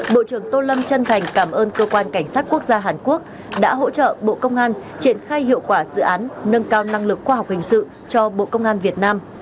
bộ trưởng tô lâm chân thành cảm ơn cơ quan cảnh sát quốc gia hàn quốc đã hỗ trợ bộ công an triển khai hiệu quả dự án nâng cao năng lực khoa học hình sự cho bộ công an việt nam